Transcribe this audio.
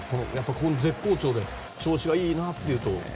絶好調で調子がいいなっていうと。